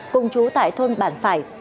cùng chú tại thôn bản phải